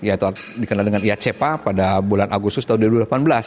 yaitu dikenal dengan iacp pada bulan agustus tahun dua ribu delapan belas